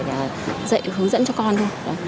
để dạy hướng dẫn cho con thôi